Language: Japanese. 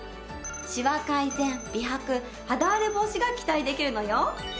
シワ改善美白肌あれ防止が期待できるのよ。